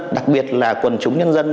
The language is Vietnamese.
đặc biệt là quần chúng nhân dân